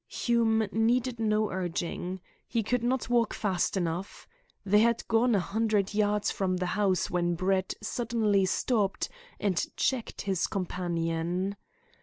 Hume needed no urging. He could not walk fast enough. They had gone a hundred yards from the house when Brett suddenly stopped and checked his companion.